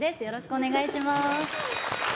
よろしくお願いします。